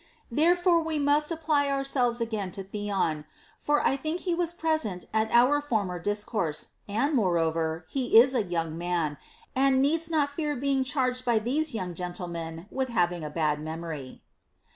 Therefore we must apply ourselves again to Theon ; for I think he was present at our former discourse ; and more * Odyss. V. 410. 196 PLEASURE NOT ATTAINABLE over, he is a young man, and needs not fear being charged by these young gentlemen with having a bad memory.